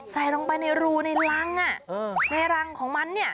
ใส่ลงไปในรูในรัง